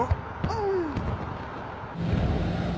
うん。